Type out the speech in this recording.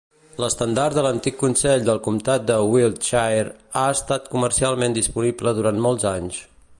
L'estendard de l'antic Consell del comtat de Wiltshire ha estat comercialment disponible durant molts anys.